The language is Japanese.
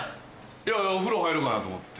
いやお風呂入ろうかなと思って。